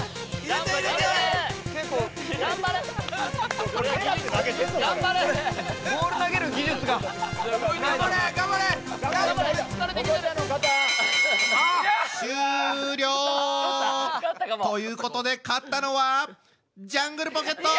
頑張れ頑張れ！終了！ということで勝ったのはジャングルポケット！